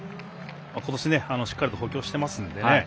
今年、しっかりと補強してますのでね。